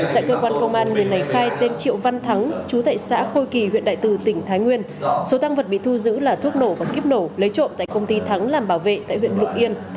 tại cơ quan công an người này khai tên triệu văn thắng chú tại xã khôi kỳ huyện đại từ tỉnh thái nguyên số tăng vật bị thu giữ là thuốc nổ và kíp nổ lấy trộm tại công ty thắng làm bảo vệ tại huyện lục yên